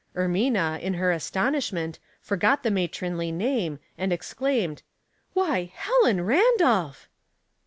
Ermina, in her astonishment, forgot the ma tronly name, and exclaimed, —" Why, Helen Randolph